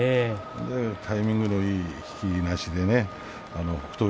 タイミングのいいいなしで北勝